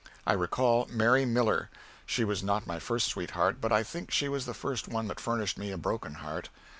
I recall Mary Miller. She was not my first sweetheart, but I think she was the first one that furnished me a broken heart.